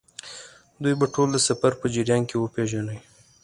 دوی به ټول د سفر په جریان کې وپېژنئ.